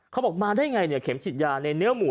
เขาบอกมาได้ไงเนี่ยเข็มฉีดยาในเนื้อหมู